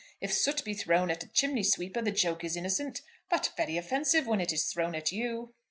If soot be thrown at a chimney sweeper the joke is innocent, but very offensive when it is thrown at you."